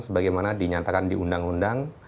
sebagaimana dinyatakan di undang undang